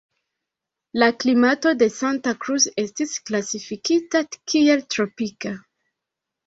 La klimato de Santa Cruz estas klasifikita kiel tropika.